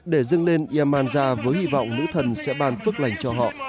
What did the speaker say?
để dưng lên yemanja với hy vọng nữ thần sẽ ban phước lành cho họ